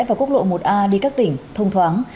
và quốc lộ một a đi các tỉnh thông thoáng